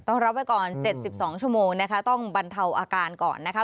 รับไว้ก่อน๗๒ชั่วโมงนะคะต้องบรรเทาอาการก่อนนะคะ